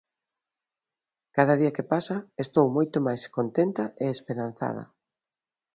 Cada día que pasa estou moito máis contenta e esperanzada.